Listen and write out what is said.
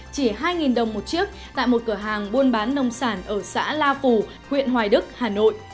chỉ hai đồng một chiếc tại một cửa hàng buôn bán nông sản ở xã la phù huyện hoài đức hà nội